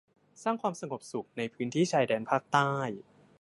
สร้างความสงบสุข ในพื้นที่ชายแดนภาคใต้